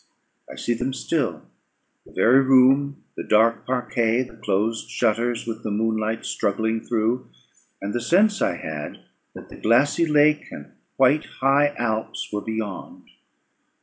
I see them still; the very room, the dark parquet, the closed shutters, with the moonlight struggling through, and the sense I had that the glassy lake and white high Alps were beyond.